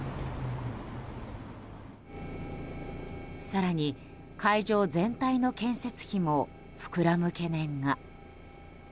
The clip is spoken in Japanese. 更に、会場全体の建設費も膨らむ懸念が。